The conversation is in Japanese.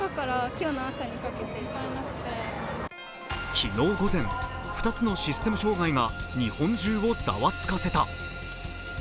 昨日午前、２つのシステム障害が日本をざわつかせた。